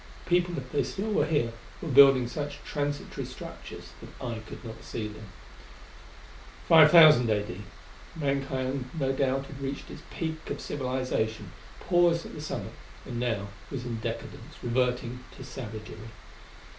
People, if they still were here, were building such transitory structures that I could not see them. 5,000 A.D. Mankind no doubt had reached its peak of civilization, paused at the summit and now was in decadence, reverting to savagery.